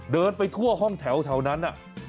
เดินไปทั่วห้องแถวนั้น